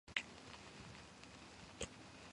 მისი სიუჟეტი ყოველთვის დრამატულია.